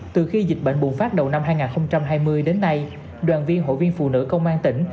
từ khi dịch bệnh bùng phát đầu năm hai nghìn hai mươi đến nay đoàn viên hội viên phụ nữ công an tỉnh